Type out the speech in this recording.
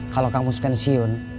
kalau kamus pensiun